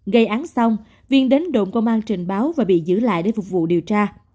gây án xong viên đến đồn công an trình báo và bị giữ lại để phục vụ điều tra